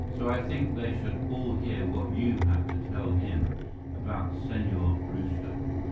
So I think they should all hear what you have to tell him about Senor Brewster."